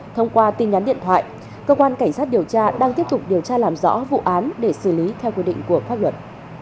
thông qua tin nhắn điện thoại cơ quan cảnh sát điều tra đang tiếp tục điều tra làm rõ vụ án để xử lý theo quy định của pháp luật